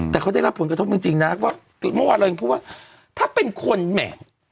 แต่เขาได้รับผลกระทบจริงนะเพราะว่าถ้าเป็นคนแหม่